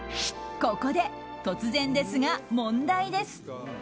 ここで突然ですが、問題です。